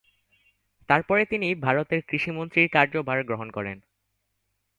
তারপরে তিনি ভারতের কৃষি মন্ত্রীর কার্যভার গ্রহণ করেন।